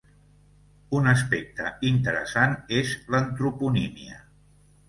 Un aspecte interessant és l'antroponímia.